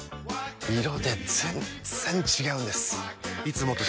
色で全然違うんです！